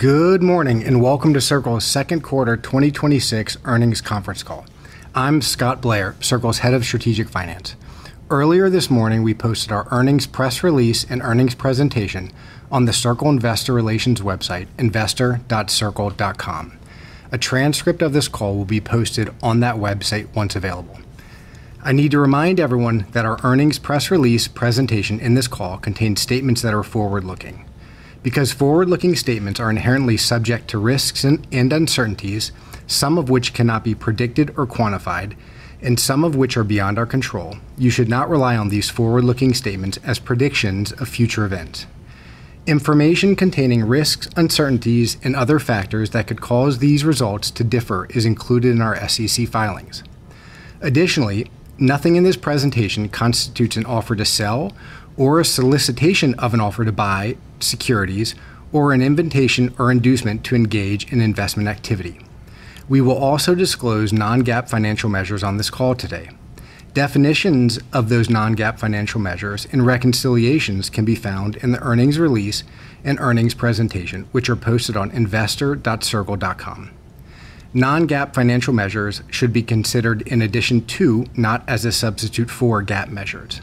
Good morning. Welcome to Circle's second quarter 2026 earnings conference call. I'm Scott Blair, Circle's Head of Strategic Finance. Earlier this morning, we posted our earnings press release and earnings presentation on the circle investor relations website, investor.circle.com. A transcript of this call will be posted on that website once available. I need to remind everyone that our earnings press release presentation and this call contain statements that are forward-looking. Because forward-looking statements are inherently subject to risks and uncertainties, some of which cannot be predicted or quantified, and some of which are beyond our control, you should not rely on these forward-looking statements as predictions of future events. Information containing risks, uncertainties, and other factors that could cause these results to differ is included in our SEC filings. Additionally, nothing in this presentation constitutes an offer to sell or a solicitation of an offer to buy securities or an invitation or inducement to engage in investment activity. We will also disclose non-GAAP financial measures on this call today. Definitions of those non-GAAP financial measures and reconciliations can be found in the earnings release and earnings presentation, which are posted on investor.circle.com. Non-GAAP financial measures should be considered in addition to, not as a substitute for, GAAP measures.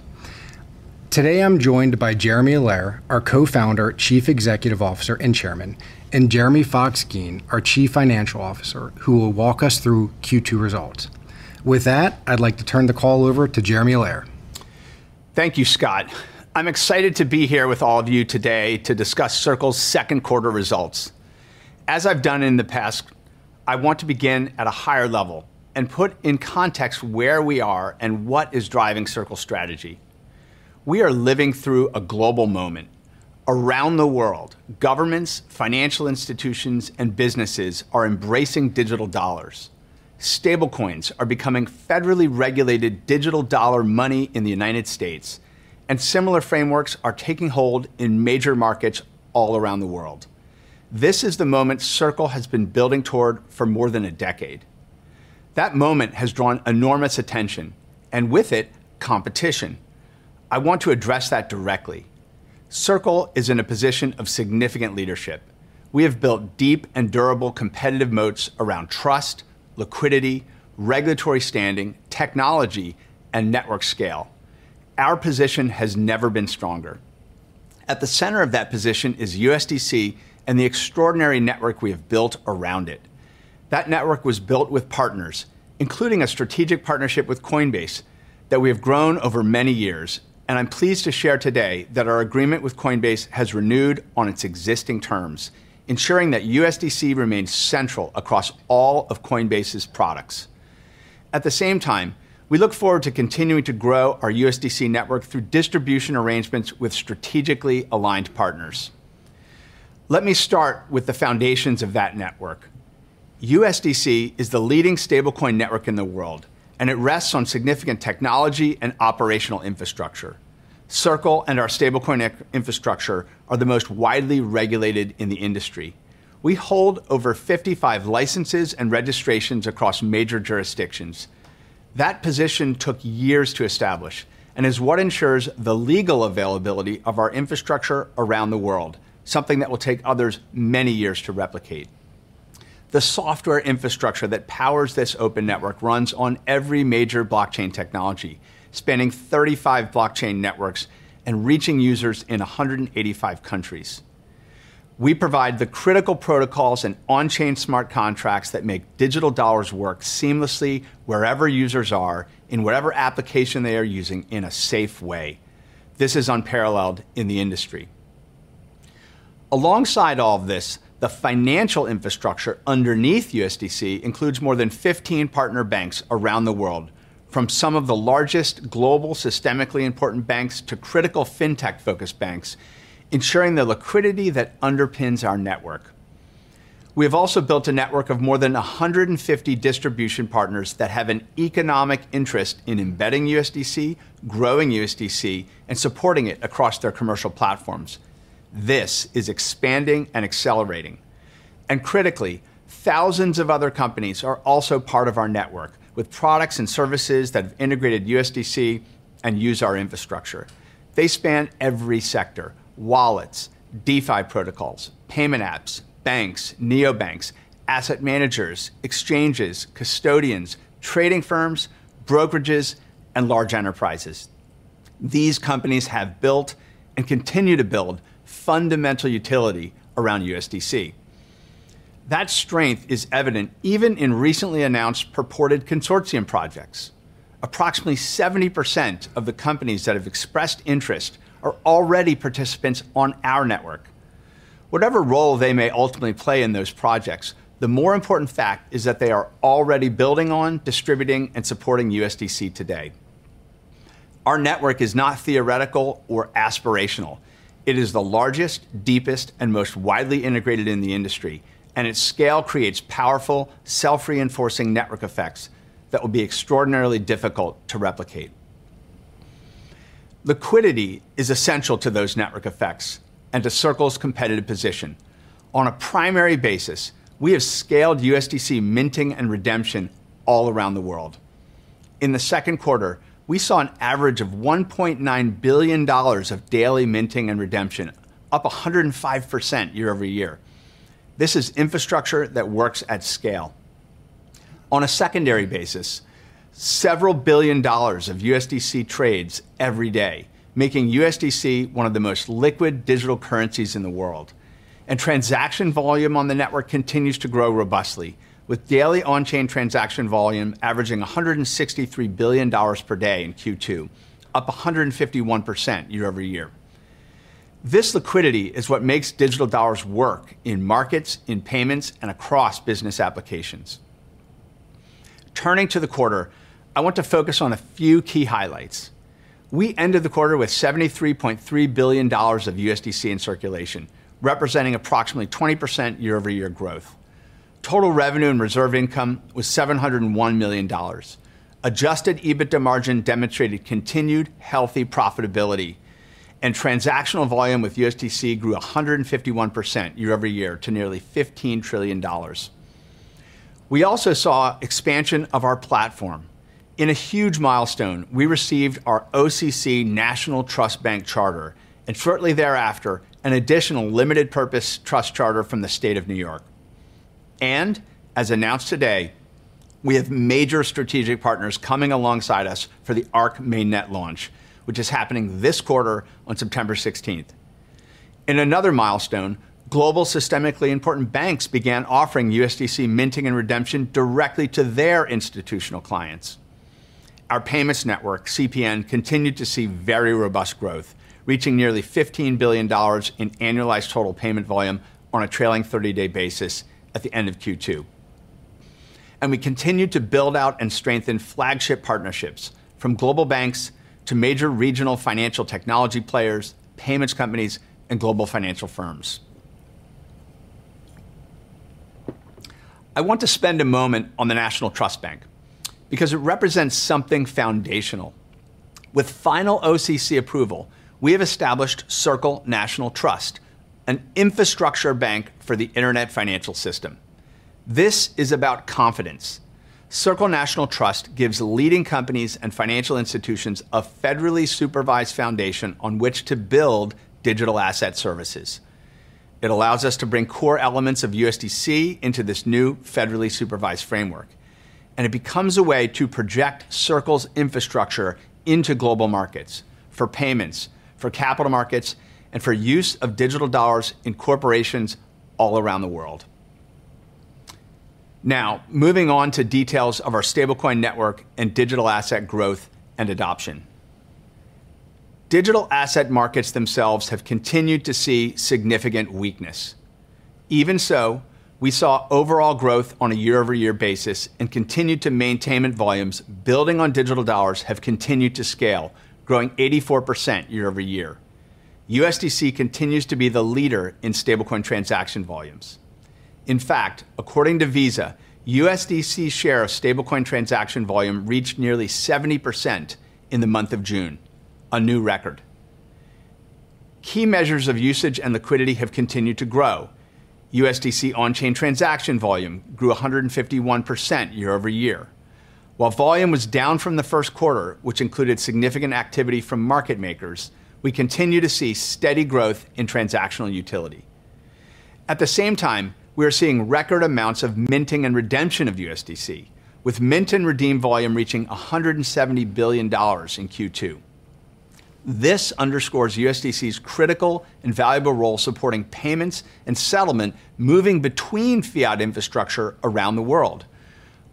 Today, I'm joined by Jeremy Allaire, our Co-Founder, Chief Executive Officer, and Chairman, and Jeremy Fox-Geen, our Chief Financial Officer, who will walk us through Q2 results. With that, I'd like to turn the call over to Jeremy Allaire. Thank you, Scott. I'm excited to be here with all of you today to discuss Circle's second quarter results. As I've done in the past, I want to begin at a higher level and put in context where we are and what is driving Circle's strategy. We are living through a global moment. Around the world, governments, financial institutions, and businesses are embracing digital dollars. Stablecoins are becoming federally regulated digital dollar money in the U.S., and similar frameworks are taking hold in major markets all around the world. This is the moment Circle has been building toward for more than a decade. That moment has drawn enormous attention, and with it, competition. I want to address that directly. Circle is in a position of significant leadership. We have built deep and durable competitive moats around trust, liquidity, regulatory standing, technology, and network scale. Our position has never been stronger. At the center of that position is USDC and the extraordinary network we have built around it. That network was built with partners, including a strategic partnership with Coinbase that we have grown over many years. I'm pleased to share today that our agreement with Coinbase has renewed on its existing terms, ensuring that USDC remains central across all of Coinbase's products. At the same time, we look forward to continuing to grow our USDC network through distribution arrangements with strategically aligned partners. Let me start with the foundations of that network. USDC is the leading stablecoin network in the world, and it rests on significant technology and operational infrastructure. Circle and our stablecoin infrastructure are the most widely regulated in the industry. We hold over 55 licenses and registrations across major jurisdictions. That position took years to establish and is what ensures the legal availability of our infrastructure around the world, something that will take others many years to replicate. The software infrastructure that powers this open network runs on every major blockchain technology, spanning 35 blockchain networks and reaching users in 185 countries. We provide the critical protocols and on-chain smart contracts that make digital dollars work seamlessly wherever users are, in whatever application they are using, in a safe way. This is unparalleled in the industry. Alongside all of this, the financial infrastructure underneath USDC includes more than 15 partner banks around the world, from some of the largest global systemically important banks to critical fintech-focused banks, ensuring the liquidity that underpins our network. We have also built a network of more than 150 distribution partners that have an economic interest in embedding USDC, growing USDC, and supporting it across their commercial platforms. This is expanding and accelerating. Critically, thousands of other companies are also part of our network, with products and services that have integrated USDC and use our infrastructure. They span every sector: wallets, DeFi protocols, payment apps, banks, neobanks, asset managers, exchanges, custodians, trading firms, brokerages, and large enterprises. These companies have built and continue to build fundamental utility around USDC. That strength is evident even in recently announced purported consortium projects. Approximately 70% of the companies that have expressed interest are already participants on our network. Whatever role they may ultimately play in those projects, the more important fact is that they are already building on, distributing, and supporting USDC today. Our network is not theoretical or aspirational. It is the largest, deepest, and most widely integrated in the industry, and its scale creates powerful, self-reinforcing network effects that will be extraordinarily difficult to replicate. Liquidity is essential to those network effects and to Circle's competitive position. On a primary basis, we have scaled USDC minting and redemption all around the world. In the second quarter, we saw an average of $1.9 billion of daily minting and redemption, up 105% year-over-year. This is infrastructure that works at scale. On a secondary basis, several billion dollars of USDC trades every day, making USDC one of the most liquid digital currencies in the world. Transaction volume on the network continues to grow robustly, with daily on-chain transaction volume averaging $163 billion per day in Q2, up 151% year-over-year. This liquidity is what makes digital dollars work in markets, in payments, and across business applications. Turning to the quarter, I want to focus on a few key highlights. We ended the quarter with $73.3 billion of USDC in circulation, representing approximately 20% year-over-year growth. Total revenue and reserve income was $701 million. Adjusted EBITDA margin demonstrated continued healthy profitability, transactional volume with USDC grew 151% year-over-year to nearly $15 trillion. We also saw expansion of our platform. In a huge milestone, we received our OCC national trust bank charter, shortly thereafter, an additional limited purpose trust charter from the state of New York. As announced today, we have major strategic partners coming alongside us for the Arc Mainnet launch, which is happening this quarter on September 16th. In another milestone, global systemically important banks began offering USDC minting and redemption directly to their institutional clients. Our payments network, CPN, continued to see very robust growth, reaching nearly $15 billion in annualized total payment volume on a trailing 30-day basis at the end of Q2. We continued to build out and strengthen flagship partnerships, from global banks to major regional financial technology players, payments companies, and global financial firms. I want to spend a moment on the National Trust Bank, because it represents something foundational. With final OCC approval, we have established Circle National Trust, an infrastructure bank for the internet financial system. This is about confidence. Circle National Trust gives leading companies and financial institutions a federally supervised foundation on which to build digital asset services. It allows us to bring core elements of USDC into this new federally supervised framework. It becomes a way to project Circle's infrastructure into global markets for payments, for capital markets, and for use of digital dollars in corporations all around the world. Moving on to details of our stablecoin network and digital asset growth and adoption. Digital asset markets themselves have continued to see significant weakness. Even so, we saw overall growth on a year-over-year basis and continued to maintain mint volumes, building on digital dollars have continued to scale, growing 84% year-over-year. USDC continues to be the leader in stablecoin transaction volumes. In fact, according to Visa, USDC's share of stablecoin transaction volume reached nearly 70% in the month of June, a new record. Key measures of usage and liquidity have continued to grow. USDC on-chain transaction volume grew 151% year-over-year. While volume was down from the first quarter, which included significant activity from market makers, we continue to see steady growth in transactional utility. At the same time, we are seeing record amounts of minting and redemption of USDC, with mint and redeem volume reaching $170 billion in Q2. This underscores USDC's critical and valuable role supporting payments and settlement moving between fiat infrastructure around the world.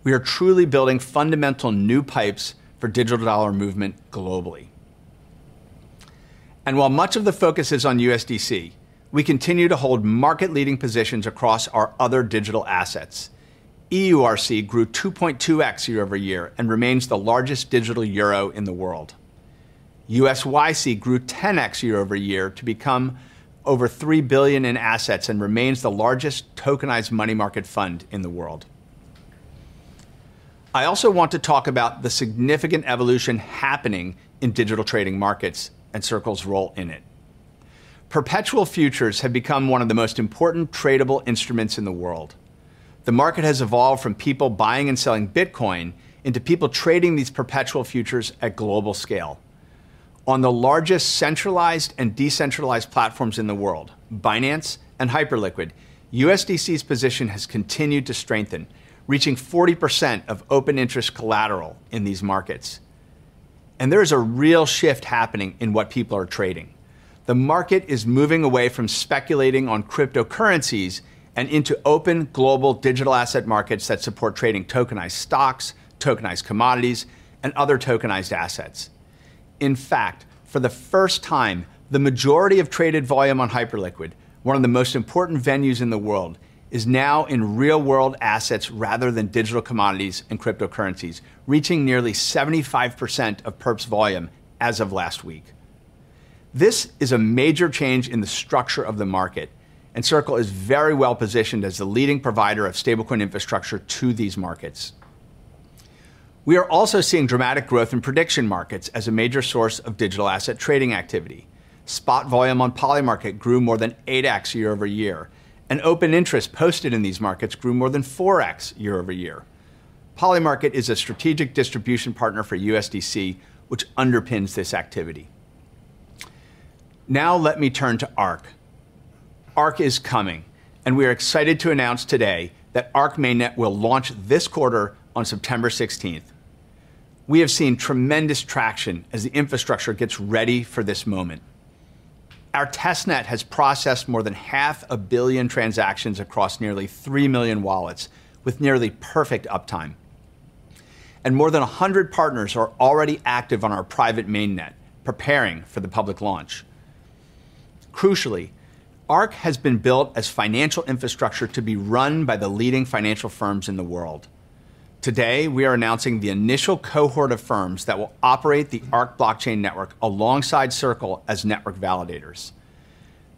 We are truly building fundamental new pipes for digital dollar movement globally. While much of the focus is on USDC, we continue to hold market-leading positions across our other digital assets. EURC grew 2.2x year-over-year and remains the largest digital euro in the world. USYC grew 10x year-over-year to become over $3 billion in assets and remains the largest tokenized money market fund in the world. I also want to talk about the significant evolution happening in digital trading markets and Circle's role in it. Perpetual futures have become one of the most important tradable instruments in the world. The market has evolved from people buying and selling Bitcoin into people trading these perpetual futures at global scale. On the largest centralized and decentralized platforms in the world, Binance and Hyperliquid, USDC's position has continued to strengthen, reaching 40% of open interest collateral in these markets. There is a real shift happening in what people are trading. The market is moving away from speculating on cryptocurrencies and into open, global digital asset markets that support trading tokenized stocks, tokenized commodities, and other tokenized assets. In fact, for the first time, the majority of traded volume on Hyperliquid, one of the most important venues in the world, is now in real-world assets rather than digital commodities and cryptocurrencies, reaching nearly 75% of perps volume as of last week. This is a major change in the structure of the market. Circle is very well-positioned as the leading provider of stablecoin infrastructure to these markets. We are also seeing dramatic growth in prediction markets as a major source of digital asset trading activity. Spot volume on Polymarket grew more than 8x year-over-year. Open interest posted in these markets grew more than 4x year-over-year. Polymarket is a strategic distribution partner for USDC, which underpins this activity. Now let me turn to Arc. Arc is coming. We are excited to announce today that Arc Mainnet will launch this quarter on September 16th. We have seen tremendous traction as the infrastructure gets ready for this moment. Our testnet has processed more than half a billion transactions across nearly 3 million wallets with nearly perfect uptime. More than 100 partners are already active on our private mainnet, preparing for the public launch. Crucially, Arc has been built as financial infrastructure to be run by the leading financial firms in the world. Today, we are announcing the initial cohort of firms that will operate the Arc blockchain network alongside Circle as network validators.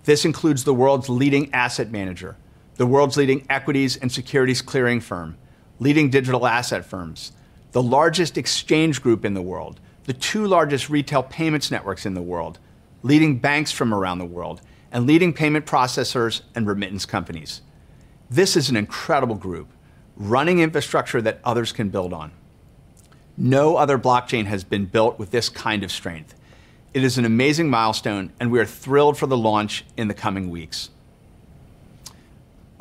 This includes the world's leading asset manager, the world's leading equities and securities clearing firm, leading digital asset firms, the largest exchange group in the world, the two largest retail payments networks in the world, leading banks from around the world, and leading payment processors and remittance companies. This is an incredible group, running infrastructure that others can build on. No other blockchain has been built with this kind of strength. It is an amazing milestone. We are thrilled for the launch in the coming weeks.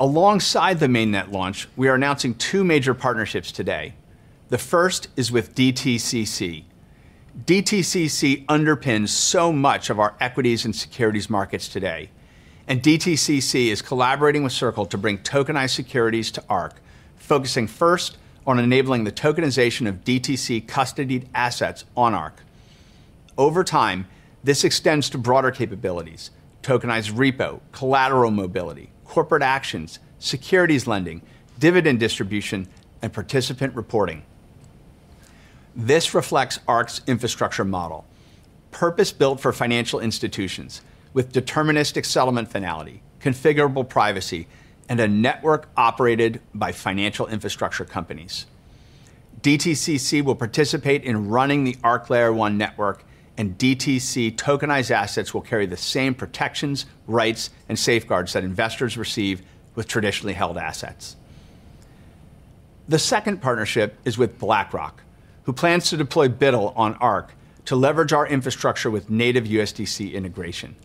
Alongside the Mainnet launch, we are announcing two major partnerships today. The first is with DTCC. DTCC underpins so much of our equities and securities markets today. DTCC is collaborating with Circle to bring tokenized securities to Arc, focusing first on enabling the tokenization of DTC-custodied assets on Arc. Over time, this extends to broader capabilities, tokenized repo, collateral mobility, corporate actions, securities lending, dividend distribution, and participant reporting. This reflects Arc's infrastructure model, purpose-built for financial institutions with deterministic settlement finality, configurable privacy, and a network operated by financial infrastructure companies. DTCC will participate in running the Arc Layer 1 network. DTC tokenized assets will carry the same protections, rights, and safeguards that investors receive with traditionally held assets. The second partnership is with BlackRock, who plans to deploy BUIDL on Arc to leverage our infrastructure with native USDC integration.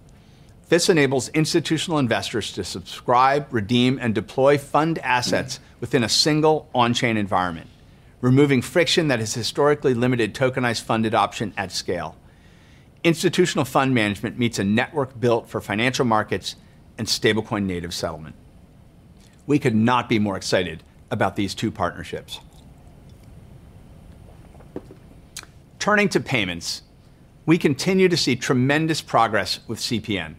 This enables institutional investors to subscribe, redeem, and deploy fund assets within a single on-chain environment, removing friction that has historically limited tokenized fund adoption at scale. Institutional fund management meets a network built for financial markets and stablecoin-native settlement. We could not be more excited about these two partnerships. Turning to payments, we continue to see tremendous progress with CPN.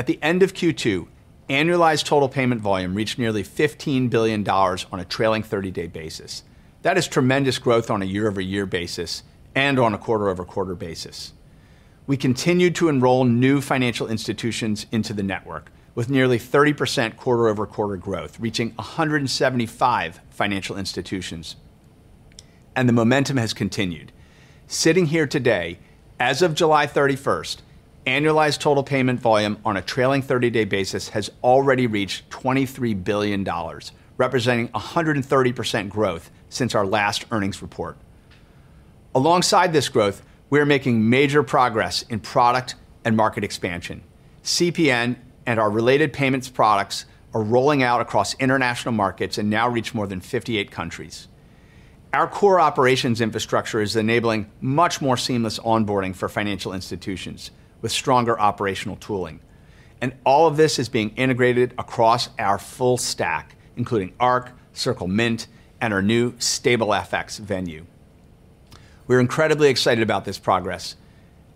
At the end of Q2, annualized total payment volume reached nearly $15 billion on a trailing 30-day basis. That is tremendous growth on a year-over-year basis and on a quarter-over-quarter basis. We continued to enroll new financial institutions into the network with nearly 30% quarter-over-quarter growth, reaching 175 financial institutions. The momentum has continued. Sitting here today, as of July 31st, annualized total payment volume on a trailing 30-day basis has already reached $23 billion, representing 130% growth since our last earnings report. Alongside this growth, we are making major progress in product and market expansion. CPN and our related payments products are rolling out across international markets and now reach more than 58 countries. Our core operations infrastructure is enabling much more seamless onboarding for financial institutions with stronger operational tooling. All of this is being integrated across our full stack, including Arc, Circle Mint, and our new StableFX Venue. We're incredibly excited about this progress,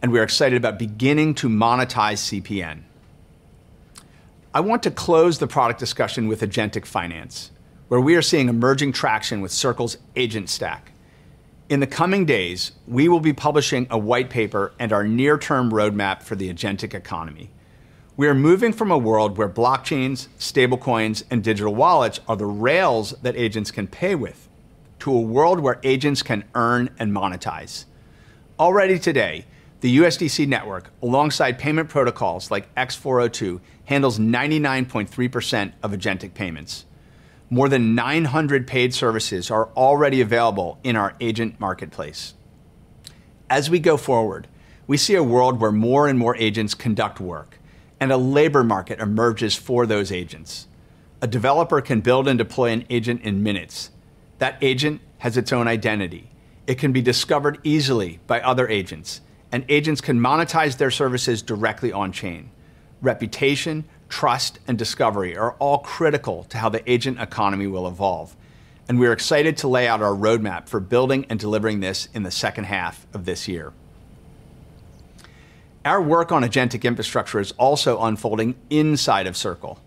and we are excited about beginning to monetize CPN. I want to close the product discussion with agentic finance, where we are seeing emerging traction with Circle's Agent Stack. In the coming days, we will be publishing a white paper and our near-term roadmap for the agentic economy. We are moving from a world where blockchains, stablecoins, and digital wallets are the rails that agents can pay with, to a world where agents can earn and monetize. Already today, the USDC network, alongside payment protocols like X402, handles 99.3% of agentic payments. More than 900 paid services are already available in our agent marketplace. As we go forward, we see a world where more and more agents conduct work, and a labor market emerges for those agents. A developer can build and deploy an agent in minutes. That agent has its own identity. It can be discovered easily by other agents, and agents can monetize their services directly on-chain. Reputation, trust, and discovery are all critical to how the agent economy will evolve, and we are excited to lay out our roadmap for building and delivering this in the second half of this year. Our work on agentic infrastructure is also unfolding inside of Circle.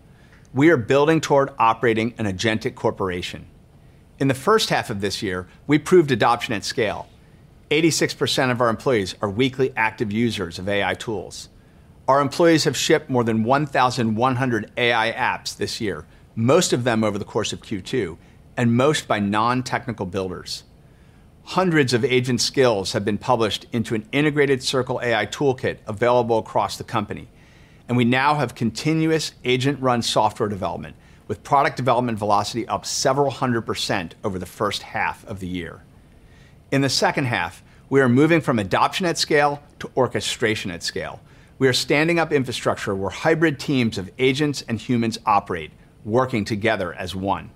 We are building toward operating an agentic corporation. In the first half of this year, we proved adoption at scale. 86% of our employees are weekly active users of AI tools. Our employees have shipped more than 1,100 AI apps this year, most of them over the course of Q2, and most by non-technical builders. Hundreds of agent skills have been published into an integrated Circle AI toolkit available across the company, and we now have continuous agent-run software development with product development velocity up several hundred % over the first half of the year. In the second half, we are moving from adoption at scale to orchestration at scale. We are standing up infrastructure where hybrid teams of agents and humans operate, working together as one.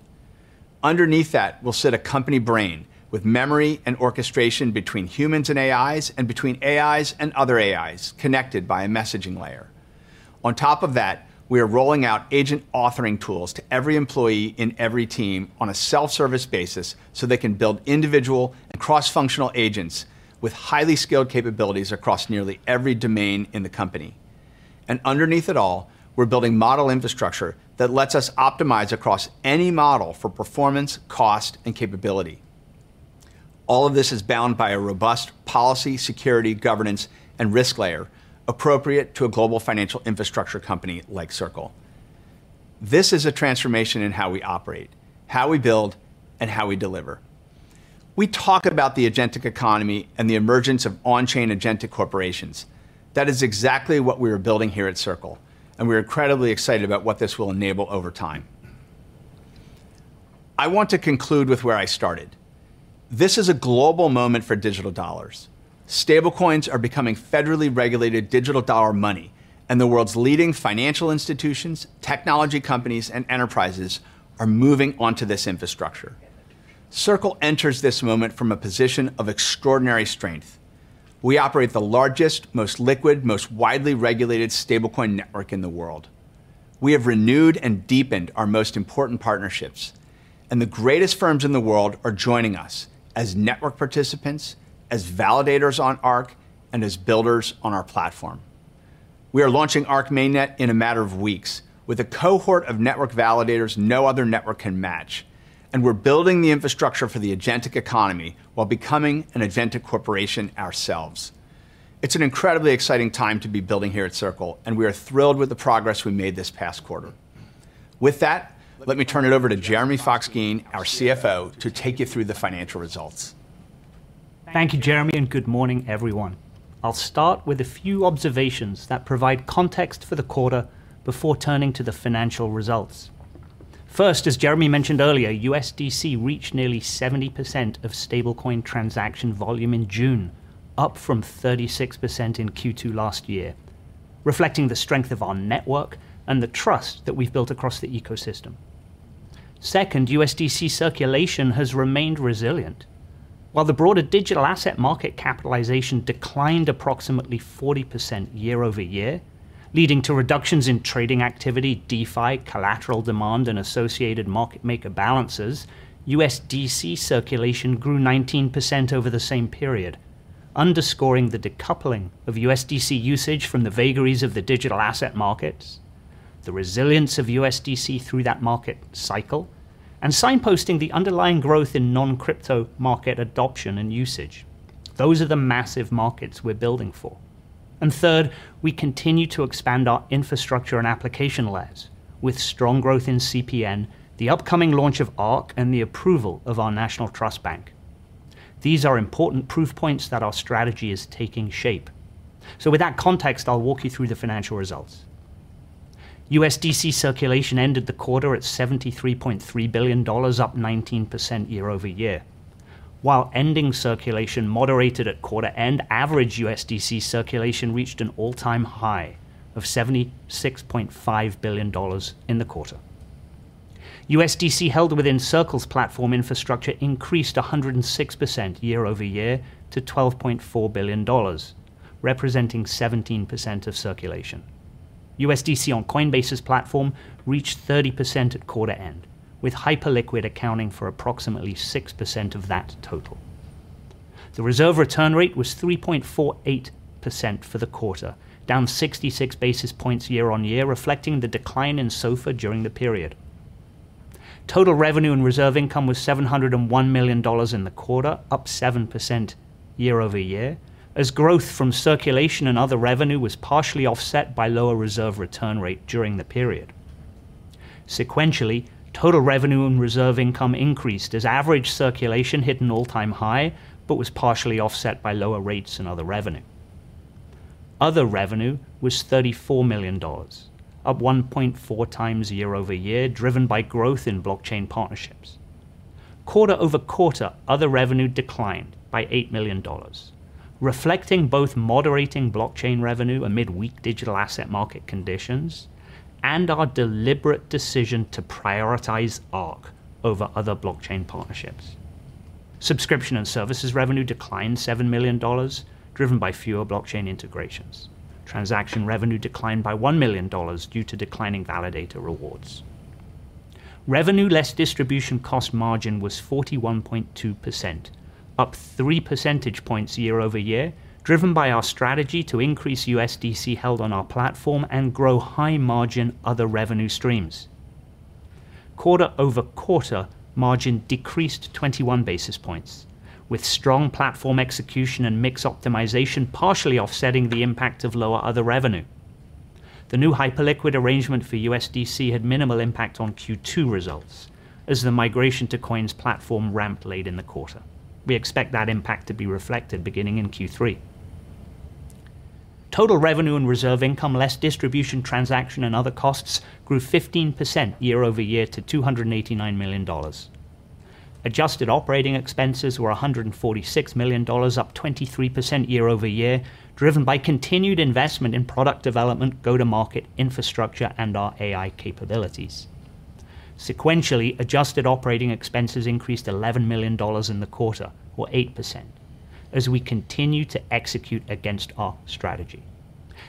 Underneath that will sit a company brain with memory and orchestration between humans and AIs, and between AIs and other AIs, connected by a messaging layer. On top of that, we are rolling out agent authoring tools to every employee in every team on a self-service basis, so they can build individual and cross-functional agents with highly skilled capabilities across nearly every domain in the company. Underneath it all, we're building model infrastructure that lets us optimize across any model for performance, cost, and capability. All of this is bound by a robust policy, security, governance, and risk layer appropriate to a global financial infrastructure company like Circle. This is a transformation in how we operate, how we build, and how we deliver. We talk about the agentic economy and the emergence of on-chain agentic corporations. That is exactly what we are building here at Circle, and we're incredibly excited about what this will enable over time. I want to conclude with where I started. This is a global moment for digital dollars. Stablecoins are becoming federally regulated digital dollar money, and the world's leading financial institutions, technology companies, and enterprises are moving onto this infrastructure. Circle enters this moment from a position of extraordinary strength. We operate the largest, most liquid, most widely regulated stablecoin network in the world. We have renewed and deepened our most important partnerships. The greatest firms in the world are joining us as network participants, as validators on Arc, and as builders on our platform. We are launching Arc Mainnet in a matter of weeks with a cohort of network validators no other network can match, and we're building the infrastructure for the agentic economy while becoming an agentic corporation ourselves. It's an incredibly exciting time to be building here at Circle, and we are thrilled with the progress we made this past quarter. With that, let me turn it over to Jeremy Fox-Geen, our CFO, to take you through the financial results Thank you, Jeremy, and good morning, everyone. I'll start with a few observations that provide context for the quarter before turning to the financial results. First, as Jeremy mentioned earlier, USDC reached nearly 70% of stablecoin transaction volume in June, up from 36% in Q2 last year, reflecting the strength of our network and the trust that we've built across the ecosystem. Second, USDC circulation has remained resilient. While the broader digital asset market capitalization declined approximately 40% year-over-year, leading to reductions in trading activity, DeFi, collateral demand, and associated market maker balances, USDC circulation grew 19% over the same period, underscoring the decoupling of USDC usage from the vagaries of the digital asset markets, the resilience of USDC through that market cycle, and signposting the underlying growth in non-crypto market adoption and usage. Those are the massive markets we're building for. Third, we continue to expand our infrastructure and application layers with strong growth in CPN, the upcoming launch of Arc, and the approval of our national trust bank. These are important proof points that our strategy is taking shape. So with that context, I'll walk you through the financial results. USDC circulation ended the quarter at $73.3 billion, up 19% year-over-year. While ending circulation moderated at quarter-end, average USDC circulation reached an all-time high of $76.5 billion in the quarter. USDC held within Circle's platform infrastructure increased 106% year-over-year to $12.4 billion, representing 17% of circulation. USDC on Coinbase's platform reached 30% at quarter end, with Hyperliquid accounting for approximately 6% of that total. The reserve return rate was 3.48% for the quarter, down 66 basis points year-on-year, reflecting the decline in SOFR during the period. Total revenue and reserve income was $701 million in the quarter, up 7% year over year, as growth from circulation and other revenue was partially offset by lower reserve return rate during the period. Sequentially, total revenue and reserve income increased as average circulation hit an all-time high, was partially offset by lower rates and other revenue. Other revenue was $34 million, up 1.4 times year over year, driven by growth in blockchain partnerships. Quarter over quarter, other revenue declined by $8 million, reflecting both moderating blockchain revenue amid weak digital asset market conditions and our deliberate decision to prioritize Arc over other blockchain partnerships. Subscription and services revenue declined $7 million, driven by fewer blockchain integrations. Transaction revenue declined by $1 million due to declining validator rewards. Revenue less distribution cost margin was 41.2%, up three percentage points year over year, driven by our strategy to increase USDC held on our platform and grow high-margin other revenue streams. Quarter over quarter, margin decreased 21 basis points, with strong platform execution and mix optimization partially offsetting the impact of lower other revenue. The new Hyperliquid arrangement for USDC had minimal impact on Q2 results, as the migration to Coinbase platform ramp late in the quarter. We expect that impact to be reflected beginning in Q3. Total revenue and reserve income, less distribution, transaction, and other costs grew 15% year over year to $289 million. Adjusted operating expenses were $146 million, up 23% year over year, driven by continued investment in product development, go-to-market infrastructure, and our AI capabilities. Sequentially, adjusted operating expenses increased $11 million in the quarter, or 8%, as we continue to execute against our strategy.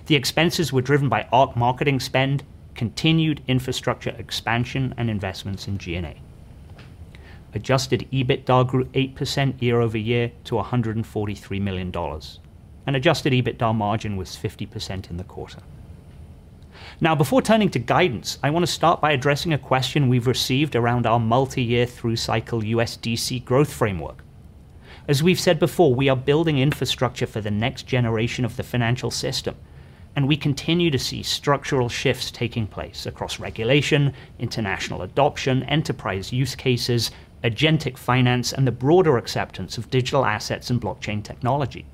The expenses were driven by Arc marketing spend, continued infrastructure expansion, and investments in G&A. Adjusted EBITDA grew 8% year over year to $143 million, and adjusted EBITDA margin was 50% in the quarter. Before turning to guidance, I want to start by addressing a question we've received around our multi-year through cycle USDC growth framework. As we've said before, we are building infrastructure for the next generation of the financial system, we continue to see structural shifts taking place across regulation, international adoption, enterprise use cases, agentic finance, and the broader acceptance of digital assets and blockchain technology.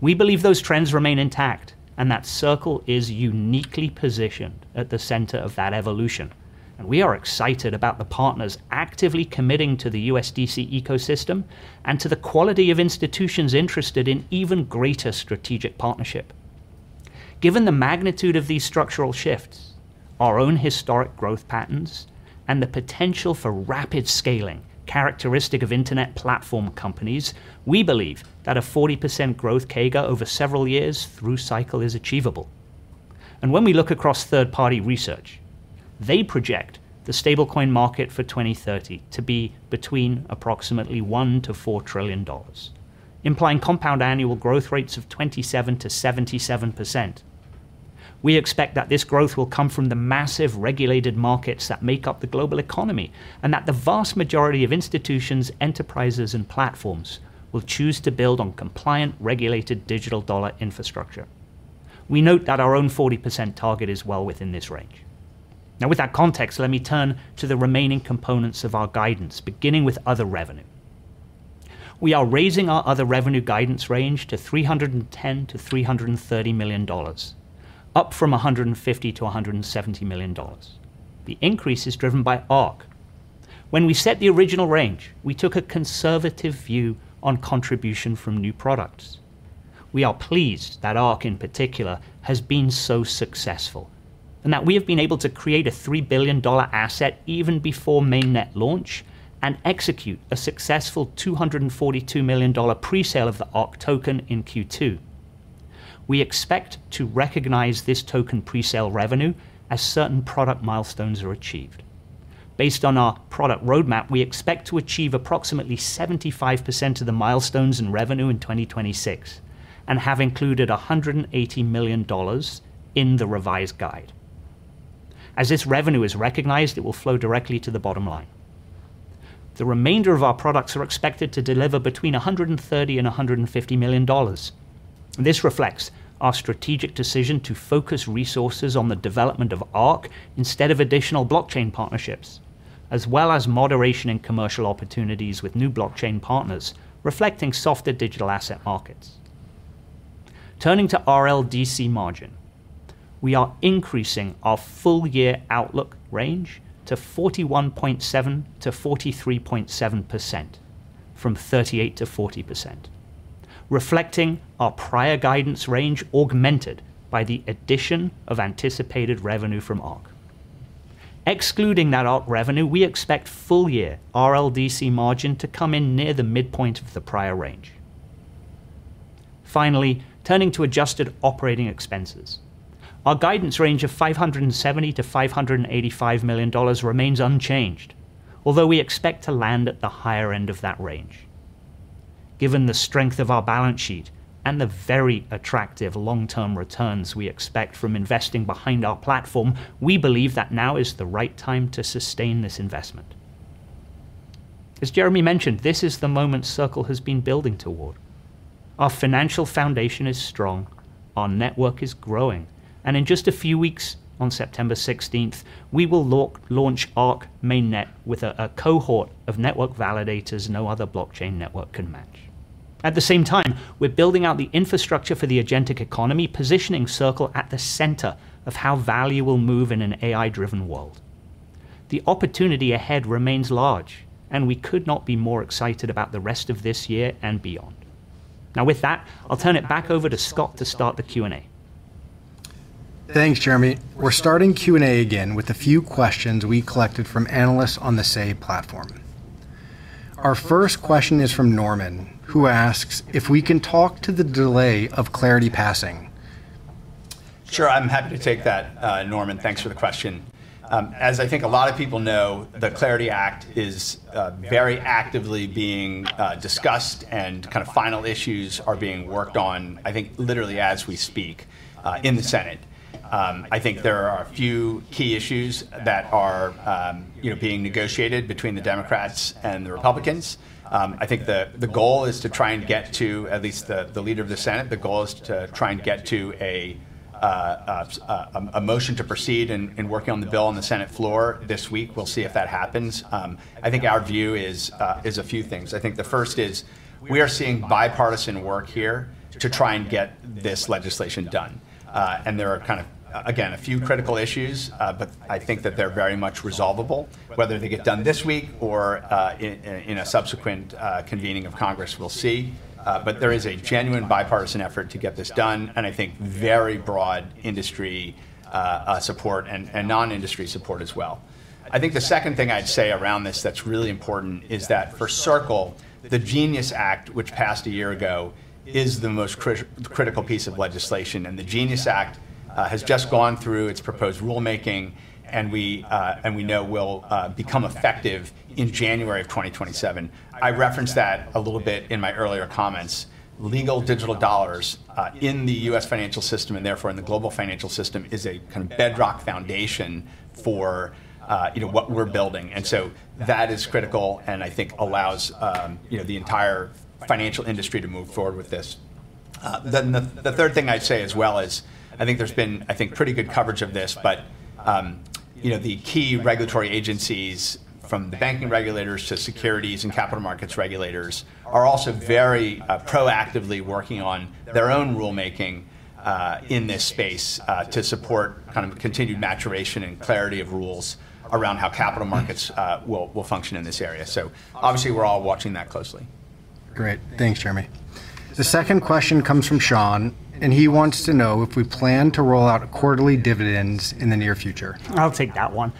We believe those trends remain intact and that Circle is uniquely positioned at the center of that evolution. We are excited about the partners actively committing to the USDC ecosystem and to the quality of institutions interested in even greater strategic partnership. Given the magnitude of these structural shifts, our own historic growth patterns, and the potential for rapid scaling characteristic of internet platform companies, we believe that a 40% growth CAGR over several years through cycle is achievable. When we look across third-party research, they project the stablecoin market for 2030 to be between approximately $1 to $4 trillion, implying compound annual growth rates of 27%-77%. We expect that this growth will come from the massive regulated markets that make up the global economy and that the vast majority of institutions, enterprises, and platforms will choose to build on compliant, regulated digital dollar infrastructure. We note that our own 40% target is well within this range. With that context, let me turn to the remaining components of our guidance, beginning with other revenue. We are raising our other revenue guidance range to $310 million-$330 million, up from $150 million-$170 million. The increase is driven by Arc. When we set the original range, we took a conservative view on contribution from new products. We are pleased that Arc, in particular, has been so successful and that we have been able to create a $3 billion asset even before Arc Mainnet launch and execute a successful $242 million pre-sale of the ARC Token in Q2. We expect to recognize this token pre-sale revenue as certain product milestones are achieved. Based on our product roadmap, we expect to achieve approximately 75% of the milestones in revenue in 2026 and have included $180 million in the revised guide. As this revenue is recognized, it will flow directly to the bottom line. The remainder of our products are expected to deliver between $130 million and $150 million. This reflects our strategic decision to focus resources on the development of Arc instead of additional blockchain partnerships, as well as moderation in commercial opportunities with new blockchain partners, reflecting softer digital asset markets. Turning to RLDC margin, we are increasing our full year outlook range to 41.7%-43.7%, from 38%-40%, reflecting our prior guidance range augmented by the addition of anticipated revenue from Arc. Excluding that Arc revenue, we expect full year RLDC margin to come in near the midpoint of the prior range. Turning to adjusted operating expenses. Our guidance range of $570 million-$585 million remains unchanged, although we expect to land at the higher end of that range. Given the strength of our balance sheet and the very attractive long-term returns we expect from investing behind our platform, we believe that now is the right time to sustain this investment. As Jeremy mentioned, this is the moment Circle has been building toward. Our financial foundation is strong, our network is growing, and in just a few weeks, on September 16th, we will launch Arc Mainnet with a cohort of network validators no other blockchain network can match. At the same time, we're building out the infrastructure for the agentic economy, positioning Circle at the center of how value will move in an AI-driven world. The opportunity ahead remains large, and we could not be more excited about the rest of this year and beyond. With that, I'll turn it back over to Scott to start the Q&A. Thanks, Jeremy. We're starting Q&A again with a few questions we collected from analysts on the Say platform. Our first question is from Norman, who asks if we can talk to the delay of Clarity passing Sure. I'm happy to take that, Norman. Thanks for the question. As I think a lot of people know, the Clarity Act is very actively being discussed, and final issues are being worked on, I think, literally as we speak, in the Senate. There are a few key issues that are being negotiated between the Democrats and the Republicans. The goal is to try and get to, at least the leader of the Senate, the goal is to try and get to a motion to proceed in working on the bill on the Senate floor this week. We'll see if that happens. Our view is a few things. The first is we are seeing bipartisan work here to try and get this legislation done. There are, again, a few critical issues, but I think that they're very much resolvable. Whether they get done this week or in a subsequent convening of Congress, we'll see. There is a genuine bipartisan effort to get this done, and I think very broad industry support and non-industry support as well. The second thing I'd say around this that's really important is that for Circle, the GENIUS Act, which passed a year ago, is the most critical piece of legislation. The GENIUS Act has just gone through its proposed rulemaking, and we know will become effective in January 2027. I referenced that a little bit in my earlier comments. Legal digital dollars in the U.S. financial system, and therefore in the global financial system, is a kind of bedrock foundation for what we're building. That is critical and I think allows the entire financial industry to move forward with this. The third thing I'd say as well is, I think there's been pretty good coverage of this, but the key regulatory agencies from the banking regulators to securities and capital markets regulators, are also very proactively working on their own rulemaking in this space to support continued maturation and clarity of rules around how capital markets will function in this area. Obviously, we're all watching that closely. Great. Thanks, Jeremy. The second question comes from Sean, he wants to know if we plan to roll out quarterly dividends in the near future. I'll take that one.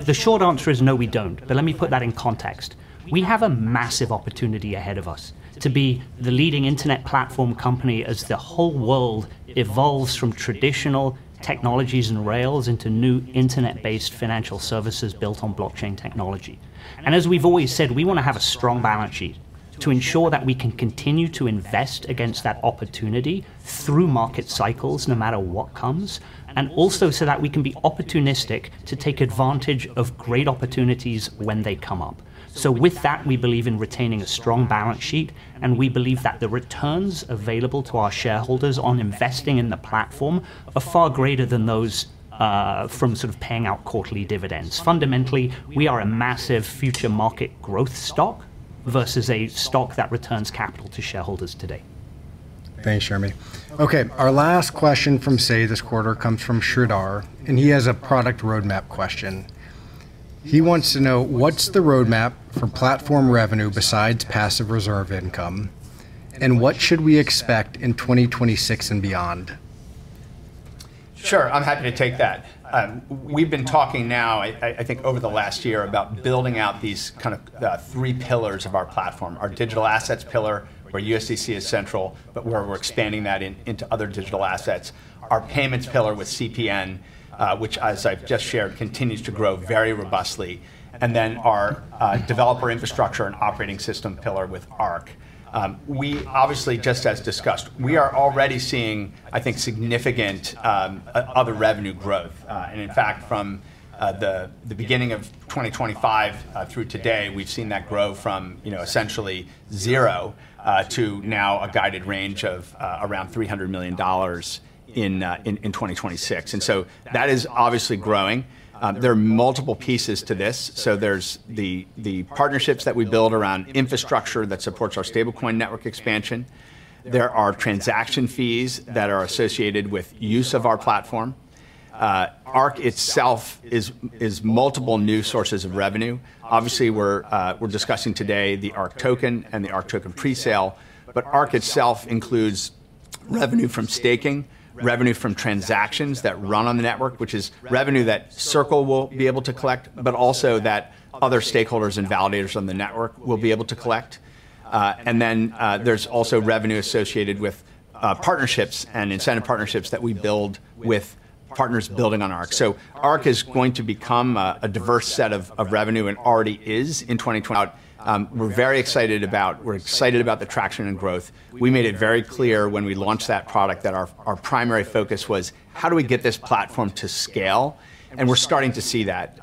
The short answer is no, we don't. Let me put that in context. We have a massive opportunity ahead of us to be the leading Internet platform company as the whole world evolves from traditional technologies and rails into new Internet-based financial services built on blockchain technology. As we've always said, we want to have a strong balance sheet to ensure that we can continue to invest against that opportunity through market cycles, no matter what comes, and also so that we can be opportunistic to take advantage of great opportunities when they come up. With that, we believe in retaining a strong balance sheet, and we believe that the returns available to our shareholders on investing in the platform are far greater than those from sort of paying out quarterly dividends. Fundamentally, we are a massive future market growth stock versus a stock that returns capital to shareholders today. Thanks, Jeremy. Our last question from Say this quarter comes from Sridhar, and he has a product roadmap question. He wants to know, what's the roadmap for platform revenue besides passive reserve income, and what should we expect in 2026 and beyond? Sure. I'm happy to take that. We've been talking now, I think, over the last year about building out these three pillars of our platform. Our digital assets pillar, where USDC is central, but where we're expanding that into other digital assets. Our payments pillar with CPN, which as I've just shared, continues to grow very robustly. Our developer infrastructure and operating system pillar with Arc. We obviously, just as discussed, we are already seeing, I think, significant other revenue growth. In fact, from the beginning of 2025 through today, we've seen that grow from essentially zero to now a guided range of around $300 million in 2026. That is obviously growing. There are multiple pieces to this. There's the partnerships that we build around infrastructure that supports our stablecoin network expansion. There are transaction fees that are associated with use of our platform. Arc itself is multiple new sources of revenue. Obviously, we're discussing today the ARC Token and the ARC Token presale, but Arc itself includes revenue from staking, revenue from transactions that run on the network, which is revenue that Circle will be able to collect, but also that other stakeholders and validators on the network will be able to collect. Then there's also revenue associated with partnerships and incentive partnerships that we build with partners building on Arc. Arc is going to become a diverse set of revenue and already is in 2020. We're very excited about the traction and growth. We made it very clear when we launched that product that our primary focus was, how do we get this platform to scale? We're starting to see that.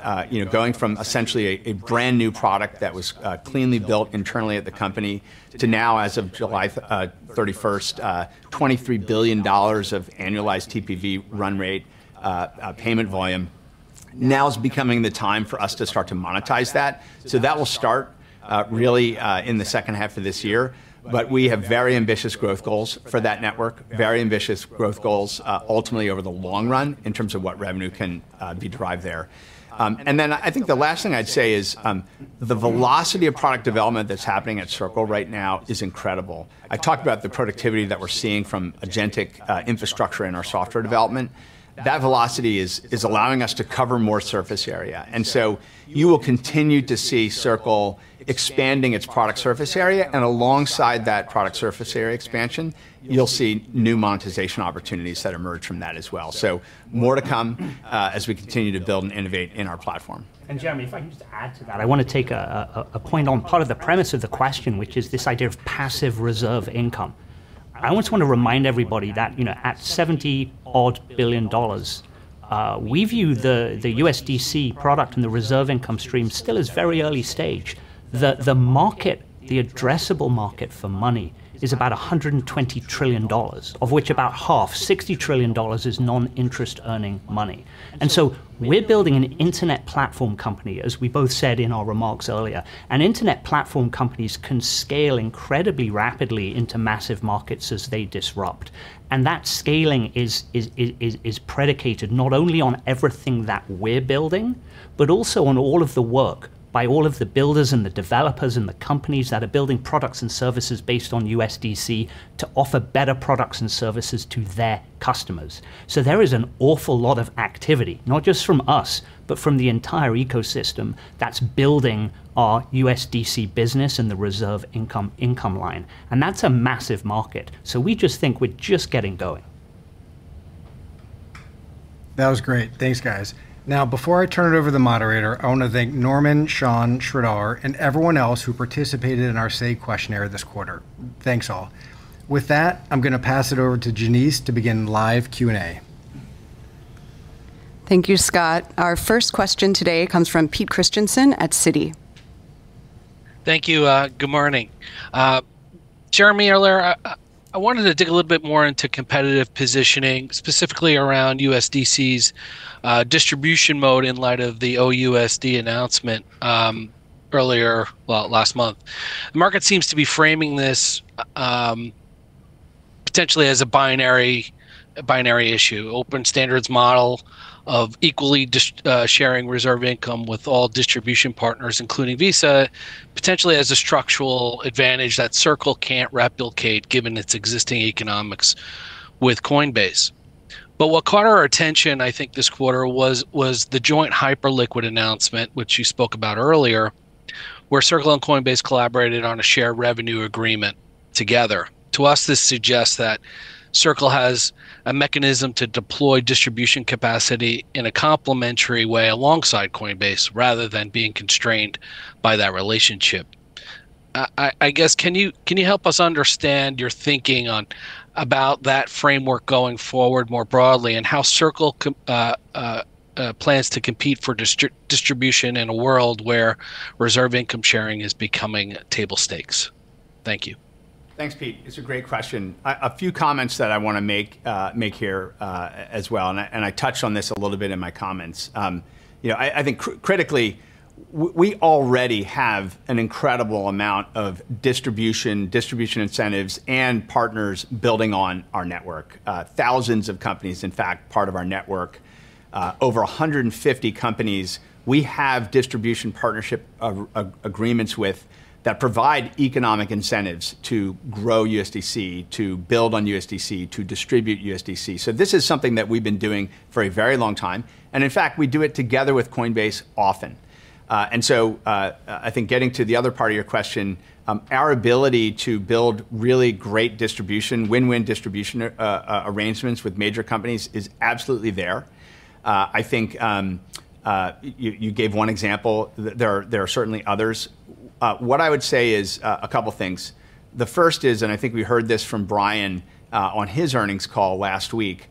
Going from essentially a brand-new product that was cleanly built internally at the company to now, as of July 31st, $23 billion of annualized TPV run rate, payment volume. Now's becoming the time for us to start to monetize that. That will start really in the second half of this year. We have very ambitious growth goals for that network. Very ambitious growth goals, ultimately over the long run in terms of what revenue can be derived there. Then I think the last thing I'd say is, the velocity of product development that's happening at Circle right now is incredible. I talked about the productivity that we're seeing from agentic infrastructure in our software development. That velocity is allowing us to cover more surface area. You will continue to see Circle expanding its product surface area, and alongside that product surface area expansion, you'll see new monetization opportunities that emerge from that as well. More to come as we continue to build and innovate in our platform. Jeremy, if I can just add to that, I want to take a point on part of the premise of the question, which is this idea of passive reserve income. I also want to remind everybody that at $70 odd billion, we view the USDC product and the reserve income stream still as very early stage. The addressable market for money is about $120 trillion, of which about half, $60 trillion, is non-interest-earning money. We're building an internet platform company, as we both said in our remarks earlier, and internet platform companies can scale incredibly rapidly into massive markets as they disrupt. That scaling is predicated not only on everything that we're building, but also on all of the work by all of the builders and the developers and the companies that are building products and services based on USDC to offer better products and services to their customers. There is an awful lot of activity, not just from us, but from the entire ecosystem that's building our USDC business and the reserve income line, and that's a massive market. We just think we're just getting going. That was great. Thanks, guys. Now, before I turn it over to the moderator, I want to thank Norman, Sean, Sridhar, and everyone else who participated in our SAAG questionnaire this quarter. Thanks, all. With that, I'm going to pass it over to Janice to begin live Q&A. Thank you, Scott. Our first question today comes from Pete Christensen at Citi. Thank you. Good morning. Jeremy, earlier, I wanted to dig a little more into competitive positioning, specifically around USDC's distribution mode in light of the OUSD announcement earlier last month. The market seems to be framing this potentially as a binary issue, open standards model of equally sharing reserve income with all distribution partners, including Visa, potentially as a structural advantage that Circle can't replicate given its existing economics with Coinbase. What caught our attention, I think, this quarter was the joint Hyperliquid announcement, which you spoke about earlier, where Circle and Coinbase collaborated on a shared revenue agreement together. To us, this suggests that Circle has a mechanism to deploy distribution capacity in a complementary way alongside Coinbase, rather than being constrained by that relationship. I guess, can you help us understand your thinking about that framework going forward more broadly, and how Circle plans to compete for distribution in a world where reserve income sharing is becoming table stakes? Thank you. Thanks, Pete. It's a great question. A few comments that I want to make here as well, and I touched on this a little bit in my comments. I think critically, we already have an incredible amount of distribution incentives, and partners building on our network. Thousands of companies, in fact, part of our network. Over 150 companies, we have distribution partnership agreements with that provide economic incentives to grow USDC, to build on USDC, to distribute USDC. This is something that we've been doing for a very long time. In fact, we do it together with Coinbase often. I think getting to the other part of your question, our ability to build really great distribution, win-win distribution arrangements with major companies is absolutely there. I think you gave one example. There are certainly others. What I would say is a couple of things. The first is, I think we heard this from Brian on his earnings call last week.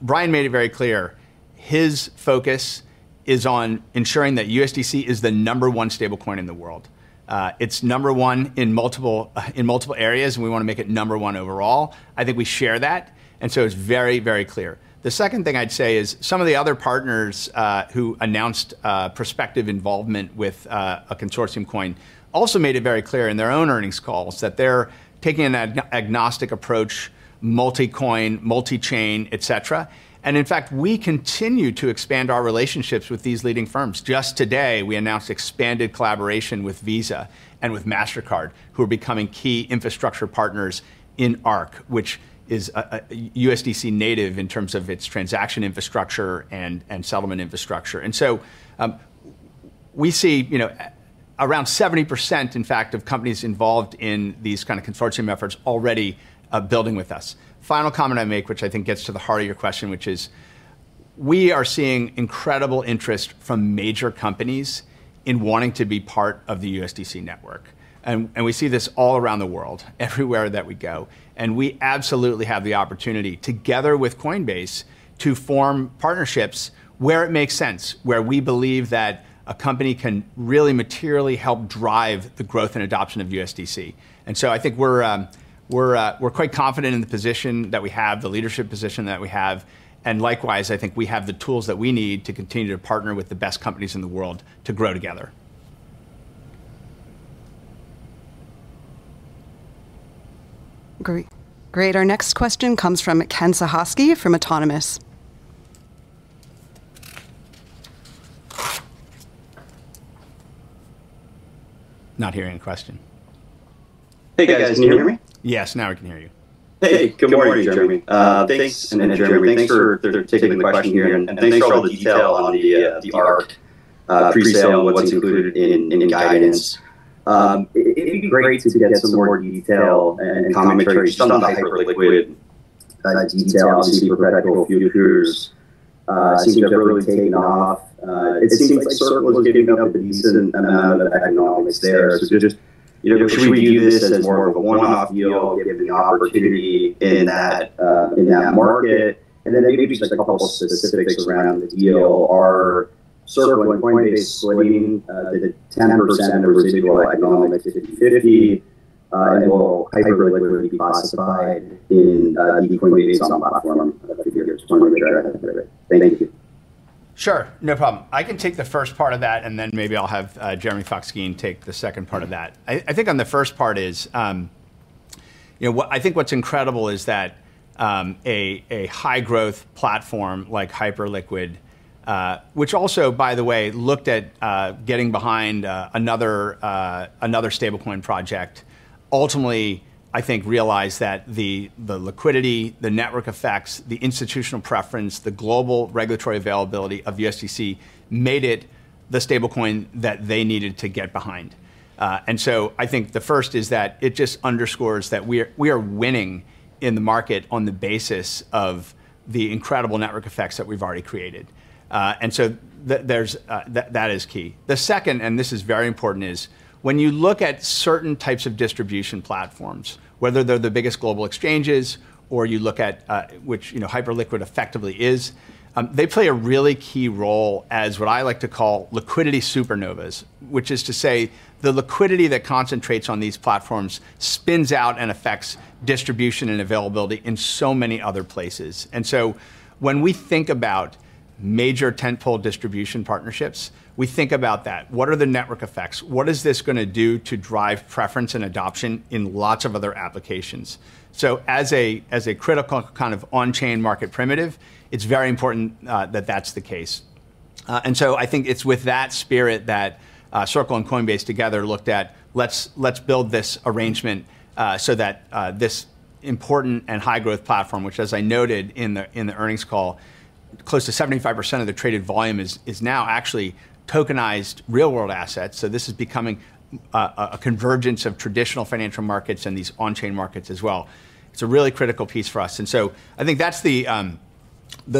Brian made it very clear. His focus is on ensuring that USDC is the number one stablecoin in the world. It's number one in multiple areas, and we want to make it number one overall. I think we share that, it's very clear. The second thing I'd say is some of the other partners who announced prospective involvement with a consortium coin also made it very clear in their own earnings calls that they're taking an agnostic approach, multi-coin, multi-chain, et cetera. In fact, we continue to expand our relationships with these leading firms. Just today, we announced expanded collaboration with Visa and with Mastercard, who are becoming key infrastructure partners in Arc, which is USDC native in terms of its transaction infrastructure and settlement infrastructure. We see around 70%, in fact, of companies involved in these kind of consortium efforts already building with us. Final comment I'd make, which I think gets to the heart of your question, which is we are seeing incredible interest from major companies in wanting to be part of the USDC network. We see this all around the world, everywhere that we go, and we absolutely have the opportunity, together with Coinbase, to form partnerships where it makes sense, where we believe that a company can really materially help drive the growth and adoption of USDC. I think we're quite confident in the position that we have, the leadership position that we have, and likewise, I think we have the tools that we need to continue to partner with the best companies in the world to grow together. Great. Our next question comes from Ken Suchoski from Autonomous. Not hearing a question. Hey, guys, can you hear me? Yes, now we can hear you. Good morning, Jeremy. Thanks. Jeremy, thanks for taking the question here, and thanks for all the detail on the Arc presale and what is included in the guidance. It would be great to get some more detail and commentary just on the Hyperliquid. That detail, obviously for radical futures, seems to have really taken off. It seems like Circle is giving up a decent amount of economics there. Should we view this as more of a one-off deal, given the opportunity in that market? Maybe just a couple of specifics around the deal. Are Circle and Coinbase splitting the 10% of residual economics 50/50? Will Hyperliquid be classified in the Coinbase platform here, I just want to make sure I have that right. Thank you. Sure, no problem. I can take the first part of that, then maybe I'll have Jeremy Fox-Geen take the second part of that. I think on the first part is, what's incredible is that a high growth platform like Hyperliquid, which also, by the way, looked at getting behind another stablecoin project, ultimately, I think realized that the liquidity, the network effects, the institutional preference, the global regulatory availability of USDC made it the stablecoin that they needed to get behind. I think the first is that it just underscores that we are winning in the market on the basis of the incredible network effects that we've already created. That is key. The second, and this is very important, is when you look at certain types of distribution platforms, whether they're the biggest global exchanges or you look at which Hyperliquid effectively is, they play a really key role as what I like to call liquidity supernovas. Which is to say, the liquidity that concentrates on these platforms spins out and affects distribution and availability in so many other places. When we think about major tenfold distribution partnerships, we think about that. What are the network effects? What is this going to do to drive preference and adoption in lots of other applications? As a critical kind of on-chain market primitive, it's very important that that's the case. I think it's with that spirit that Circle and Coinbase together looked at, let's build this arrangement so that this important and high-growth platform, which as I noted in the earnings call, close to 75% of the traded volume is now actually tokenized real-world assets. This is becoming a convergence of traditional financial markets and these on-chain markets as well. It's a really critical piece for us. I think that's the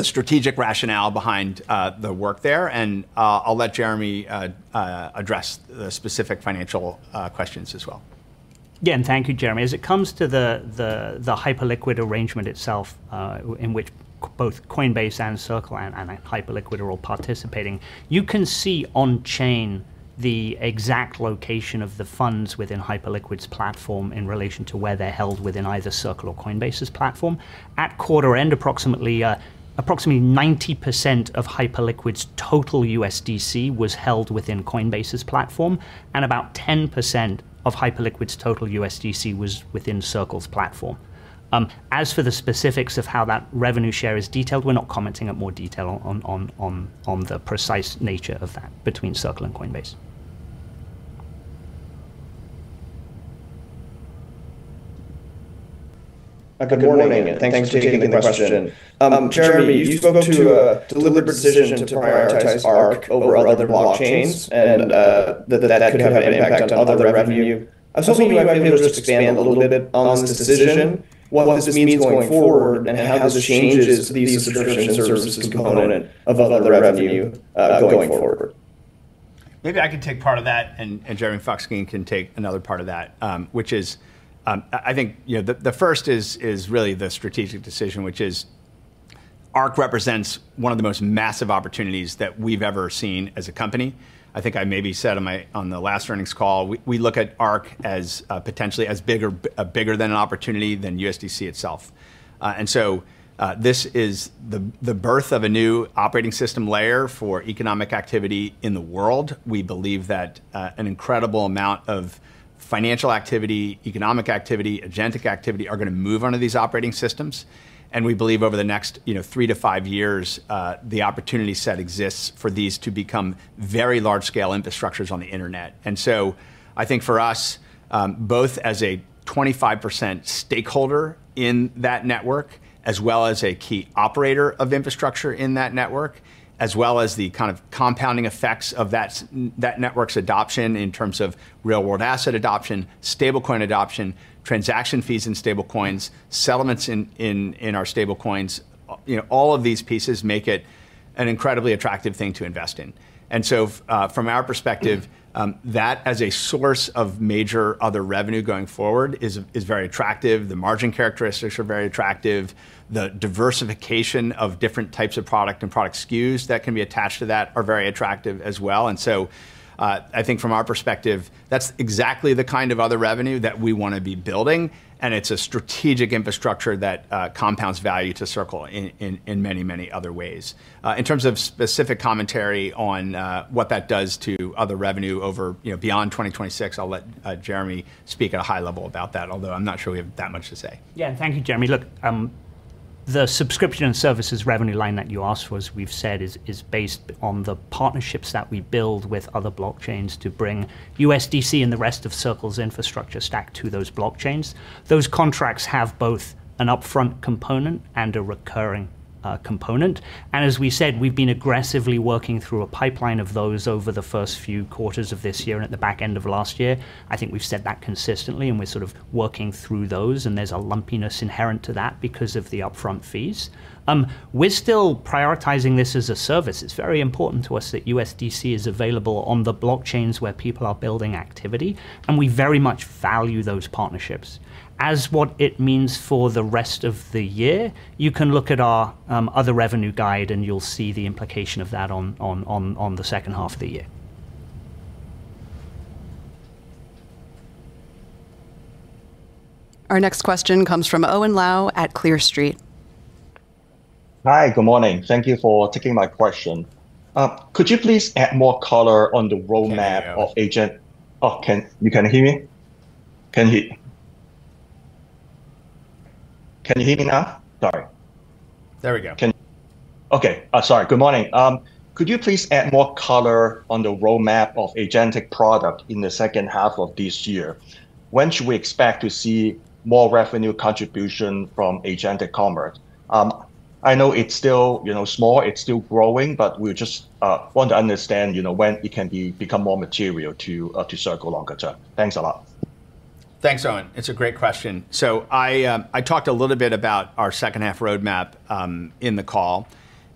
strategic rationale behind the work there, and I'll let Jeremy address the specific financial questions as well. Yeah, thank you, Jeremy. As it comes to the Hyperliquid arrangement itself, in which both Coinbase and Circle and Hyperliquid are all participating, you can see on chain the exact location of the funds within Hyperliquid's platform in relation to where they're held within either Circle or Coinbase's platform. At quarter end, approximately 90% of Hyperliquid's total USDC was held within Coinbase's platform, and about 10% of Hyperliquid's total USDC was within Circle's platform. As for the specifics of how that revenue share is detailed, we're not commenting at more detail on the precise nature of that between Circle and Coinbase. Good morning. Thanks for taking the question. Jeremy, you spoke to a deliberate decision to prioritize Arc over other blockchains and that that could have an impact on other revenue. I was hoping you might be able to just expand a little bit on this decision, what this means going forward, and how this changes the subscription services component of other revenue going forward. Maybe I can take part of that, Jeremy Fox-Geen can take another part of that. Which is, I think the first is really the strategic decision, which is Arc represents one of the most massive opportunities that we've ever seen as a company. I think I maybe said on the last earnings call, we look at Arc as potentially as bigger an opportunity than USDC itself. This is the birth of a new operating system layer for economic activity in the world. We believe that an incredible amount of financial activity, economic activity, agentic activity, are going to move onto these operating systems. We believe over the next three to five years, the opportunity set exists for these to become very large-scale infrastructures on the internet. I think for us, both as a 25% stakeholder in that network, as well as a key operator of infrastructure in that network, as well as the kind of compounding effects of that network's adoption in terms of real world asset adoption, stablecoin adoption, transaction fees in stablecoins, settlements in our stablecoins. All of these pieces make it an incredibly attractive thing to invest in. From our perspective, that as a source of major other revenue going forward is very attractive. The margin characteristics are very attractive. The diversification of different types of product and product SKUs that can be attached to that are very attractive as well. I think from our perspective, that's exactly the kind of other revenue that we want to be building, and it's a strategic infrastructure that compounds value to Circle in many, many other ways. In terms of specific commentary on what that does to other revenue over beyond 2026, I'll let Jeremy speak at a high level about that, although I'm not sure we have that much to say. Yeah. Thank you, Jeremy. Look, the subscription and services revenue line that you asked for, as we've said, is based on the partnerships that we build with other blockchains to bring USDC and the rest of Circle's infrastructure stack to those blockchains. Those contracts have both an upfront component and a recurring component. As we said, we've been aggressively working through a pipeline of those over the first few quarters of this year at the back end of last year. I think we've said that consistently, we're sort of working through those, there's a lumpiness inherent to that because of the upfront fees. We're still prioritizing this as a service. It's very important to us that USDC is available on the blockchains where people are building activity, we very much value those partnerships. As what it means for the rest of the year, you can look at our other revenue guide, you'll see the implication of that on the second half of the year. Our next question comes from Owen Lau at Clear Street. Hi. Good morning. Thank you for taking my question. Could you please add more color on the roadmap of? Oh, you can hear me? Can you hear me now? Sorry. There we go. Okay. Sorry. Good morning. Could you please add more color on the roadmap of agentic product in the second half of this year? When should we expect to see more revenue contribution from agentic commerce? I know it's still small, it's still growing, but we just want to understand when it can become more material to Circle longer term. Thanks a lot. Thanks, Owen. It's a great question. I talked a little bit about our second half roadmap in the call.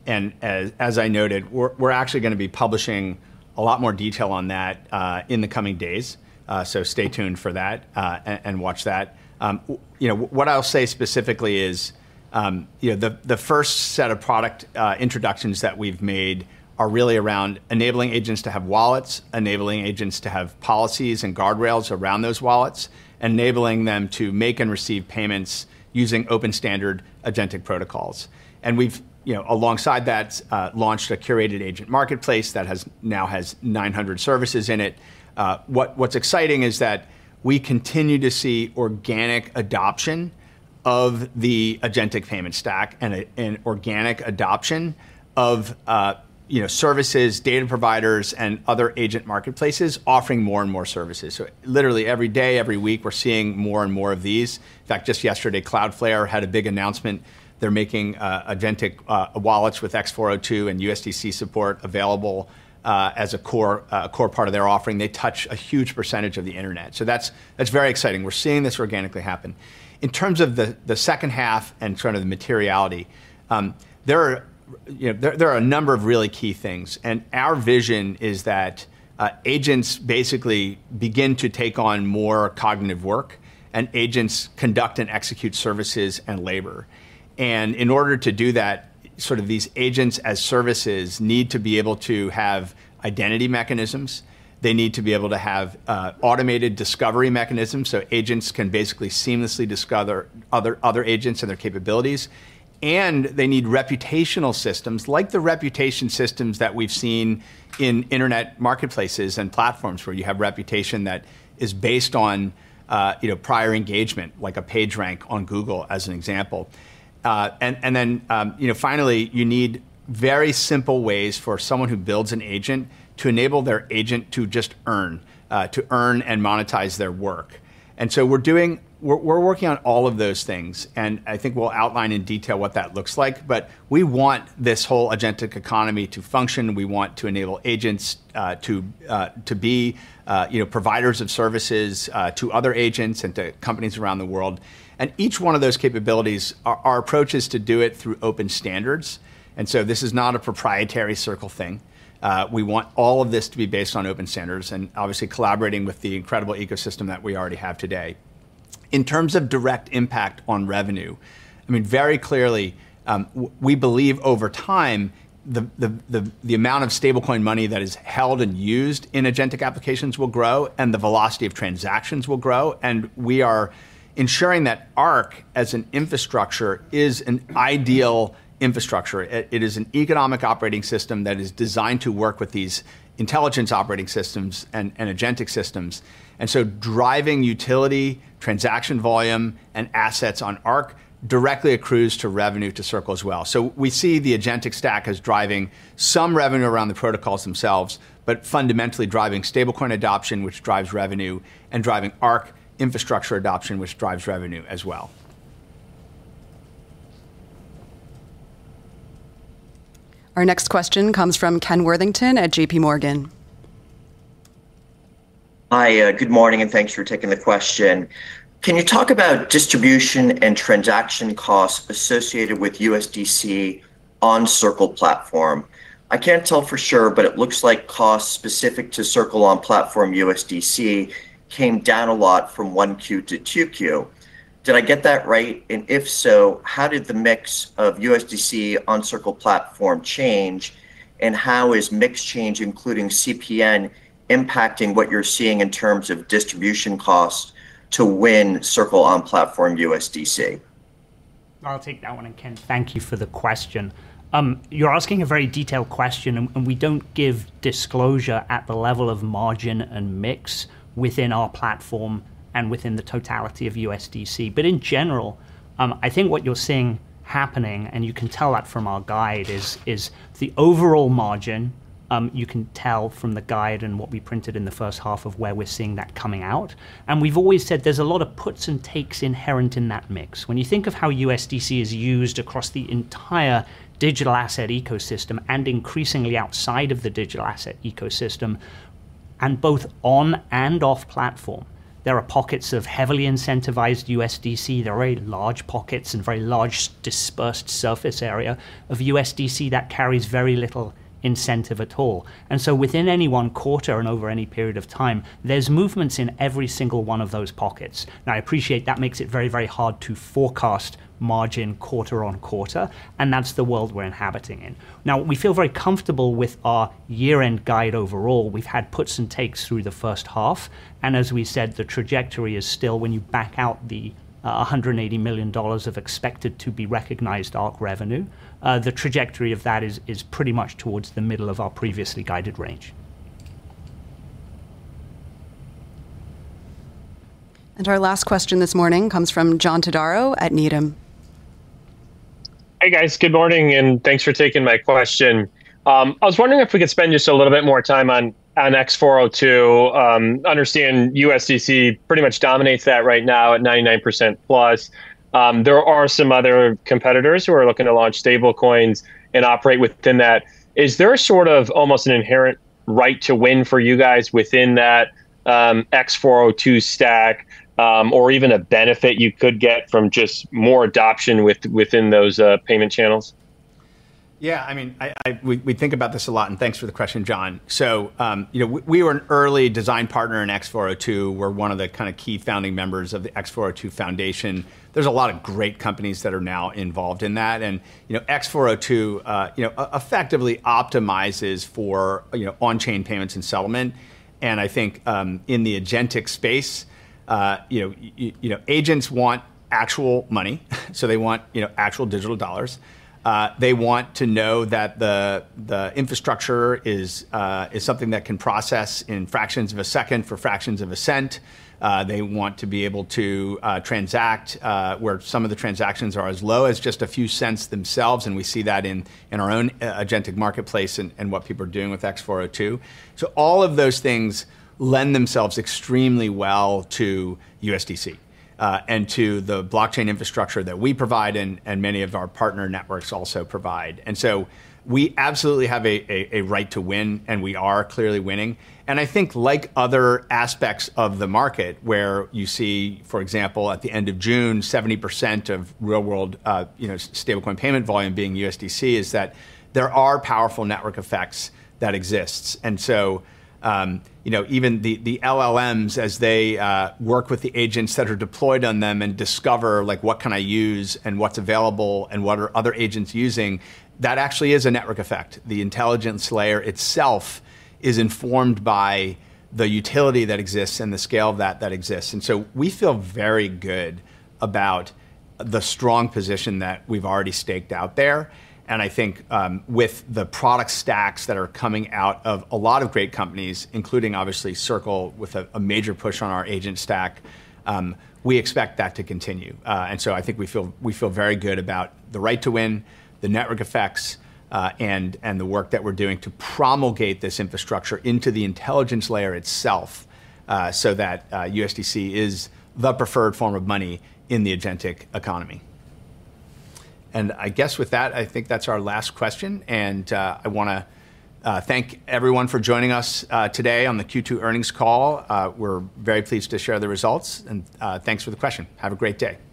As I noted, we're actually going to be publishing a lot more detail on that in the coming days. Stay tuned for that and watch that. What I'll say specifically is the first set of product introductions that we've made are really around enabling agents to have wallets, enabling agents to have policies and guardrails around those wallets, enabling them to make and receive payments using open standard agentic protocols. We've, alongside that, launched a curated agent marketplace that now has 900 services in it. What's exciting is that we continue to see organic adoption of the agentic payment stack and an organic adoption of services, data providers, and other agent marketplaces offering more and more services. Literally every day, every week, we're seeing more and more of these. In fact, just yesterday, Cloudflare had a big announcement. They're making agentic wallets with X.402 and USDC support available as a core part of their offering. They touch a huge percentage of the internet. That's very exciting. We're seeing this organically happen. In terms of the second half and the materiality, there are a number of really key things. Our vision is that agents basically begin to take on more cognitive work. Agents conduct and execute services and labor. In order to do that, these agents as services need to be able to have identity mechanisms. They need to be able to have automated discovery mechanisms so agents can basically seamlessly discover other agents and their capabilities. They need reputational systems like the reputation systems that we've seen in internet marketplaces and platforms where you have reputation that is based on prior engagement, like a page rank on Google, as an example. Finally, you need very simple ways for someone who builds an agent to enable their agent to just earn, to earn and monetize their work. We're working on all of those things. I think we'll outline in detail what that looks like. We want this whole agentic economy to function. We want to enable agents to be providers of services to other agents and to companies around the world. Each one of those capabilities, our approach is to do it through open standards. This is not a proprietary Circle thing. We want all of this to be based on open standards and obviously collaborating with the incredible ecosystem that we already have today. In terms of direct impact on revenue, very clearly, we believe over time, the amount of stablecoin money that is held and used in agentic applications will grow. The velocity of transactions will grow. We are ensuring that Arc as an infrastructure is an ideal infrastructure. It is an economic operating system that is designed to work with these intelligence operating systems and agentic systems. Driving utility, transaction volume, and assets on Arc directly accrues to revenue to Circle as well. We see the agentic stack as driving some revenue around the protocols themselves. Fundamentally driving stablecoin adoption, which drives revenue, and driving Arc infrastructure adoption, which drives revenue as well. Our next question comes from Ken Worthington at JP Morgan. Hi. Good morning, thanks for taking the question. Can you talk about distribution and transaction costs associated with USDC on Circle platform? I cannot tell for sure, but it looks like costs specific to Circle on-platform USDC came down a lot from one Q to two Q. Did I get that right? If so, how did the mix of USDC on Circle platform change, and how is mix change, including CPN, impacting what you are seeing in terms of distribution costs to win Circle on-platform USDC? I will take that one, Ken, thank you for the question. You are asking a very detailed question, we do not give disclosure at the level of margin and mix within our platform and within the totality of USDC. In general, I think what you are seeing happening, you can tell that from our guide, is the overall margin. You can tell from the guide and what we printed in the first half of where we are seeing that coming out. We have always said there is a lot of puts and takes inherent in that mix. When you think of how USDC is used across the entire digital asset ecosystem and increasingly outside of the digital asset ecosystem and both on and off platform, there are pockets of heavily incentivized USDC. There are very large pockets and very large dispersed surface area of USDC that carries very little incentive at all. Within any one quarter and over any period of time, there are movements in every single one of those pockets. Now, I appreciate that makes it very hard to forecast margin quarter on quarter, and that is the world we are inhabiting in. Now, we feel very comfortable with our year-end guide overall. We have had puts and takes through the first half. As we said, the trajectory is still when you back out the $180 million of expected to be recognized Arc revenue, the trajectory of that is pretty much towards the middle of our previously guided range. Our last question this morning comes from John Todaro at Needham. Hey, guys. Good morning, and thanks for taking my question. I was wondering if we could spend just a little bit more time on X.402. Understand USDC pretty much dominates that right now at 99%+. There are some other competitors who are looking to launch stablecoins and operate within that. Is there a sort of almost an inherent right to win for you guys within that X.402 stack? Or even a benefit you could get from just more adoption within those payment channels? Yeah. We think about this a lot, and thanks for the question, John. We were an early design partner in X.402. We're one of the key founding members of the x402 Foundation. There's a lot of great companies that are now involved in that. X.402 effectively optimizes for on-chain payments and settlement. I think, in the agentic space, agents want actual money. They want actual digital dollars. They want to know that the infrastructure is something that can process in fractions of a second for fractions of a cent. They want to be able to transact, where some of the transactions are as low as just a few cents themselves, and we see that in our own agentic marketplace and what people are doing with X.402. All of those things lend themselves extremely well to USDC, and to the blockchain infrastructure that we provide and many of our partner networks also provide. We absolutely have a right to win, and we are clearly winning. I think like other aspects of the market where you see, for example, at the end of June, 70% of real-world stablecoin payment volume being USDC, is that there are powerful network effects that exists. Even the LLMs, as they work with the agents that are deployed on them and discover what can I use and what's available and what are other agents using, that actually is a network effect. The intelligence layer itself is informed by the utility that exists and the scale that exists. We feel very good about the strong position that we've already staked out there. I think with the product stacks that are coming out of a lot of great companies, including obviously Circle with a major push on our Agent Stack, we expect that to continue. I think we feel very good about the right to win, the network effects, and the work that we're doing to promulgate this infrastructure into the intelligence layer itself, so that USDC is the preferred form of money in the agentic economy. I guess with that, I think that's our last question, and I want to thank everyone for joining us today on the Q2 earnings call. We're very pleased to share the results and thanks for the question. Have a great day.